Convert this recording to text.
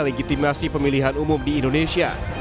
legitimasi pemilihan umum di indonesia